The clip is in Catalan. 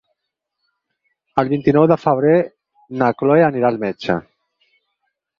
El vint-i-nou de febrer na Chloé anirà al metge.